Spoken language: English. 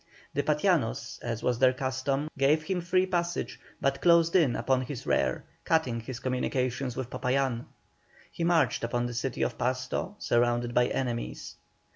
The Patianos, as was their custom, gave him free passage, but closed in upon his rear, cutting his communications with Popayán. He marched upon the city of Pasto, surrounded by enemies.